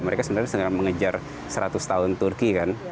mereka sebenarnya sedang mengejar seratus tahun turki kan